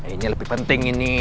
ini lebih penting ini